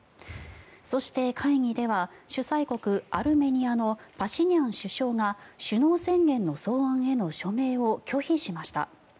そして、会議では主催国アルメニアのパシニャン首相が首脳宣言の草案への署名を拒否しました。